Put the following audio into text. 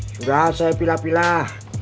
sudah saya pilih pilih